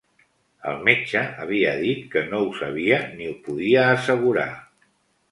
El metge havia dit que no ho sabia ni ho podia assegurar